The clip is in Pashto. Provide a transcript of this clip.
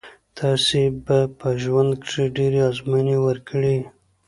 تاسي به په ژوند کښي ډېري آزمویني ورکړي يي.